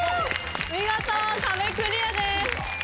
見事壁クリアです。